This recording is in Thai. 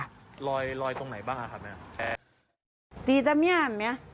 รอยรอยตรงไหนบ้างอ่ะค่ะแม่